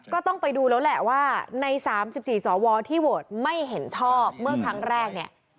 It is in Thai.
ก็ต้องไปดูแล้วแหละว่าใน๓๔สวที่โหวตไม่เห็นชอบเมื่อครั้งแรกเนี่ย